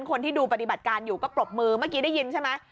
คนที่ดูปฏิบัติการอยู่ก็ปรบมือเมื่อกี้ได้ยินใช่ไหม